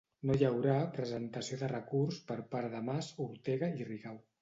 No hi haurà presentació de recurs per part de Mas, Ortega i Rigau